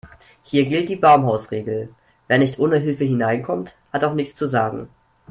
Hier gilt die Baumhausregel: Wer nicht ohne Hilfe hineinkommt, hat auch nichts zu sagen.